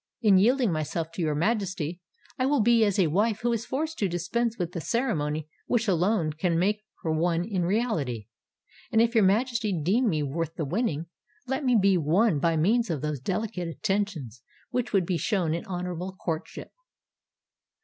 In yielding myself to your Majesty, it will be as a wife who is forced to dispense with the ceremony which alone can make her one in reality; and if your Majesty deem me worth the winning, let me be won by means of those delicate attentions which would be shown in honourable courtship."